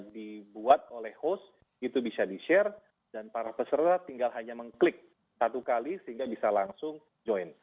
dibuat oleh host itu bisa di share dan para peserta tinggal hanya mengklik satu kali sehingga bisa langsung join